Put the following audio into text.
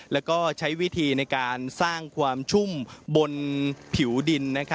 แล้วก็ใช้วิธีในการสร้างความชุ่มบนผิวดิน